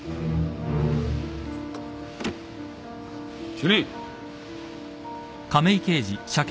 主任。